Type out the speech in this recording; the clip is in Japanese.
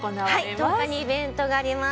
１０日にイベントがあります。